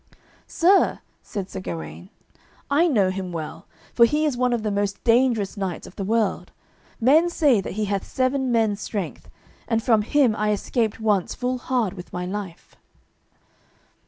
"Sir," said Sir Gawaine, "I know him well, for he is one of the most dangerous knights of the world. Men say that he hath seven men's strength, and from him I escaped once full hard with my life."